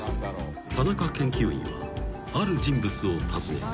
［田中研究員はある人物を訪ねた］